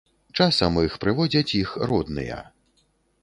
Часам іх прыводзяць іх родныя.